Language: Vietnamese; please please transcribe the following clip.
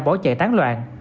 bỏ chạy tán loạn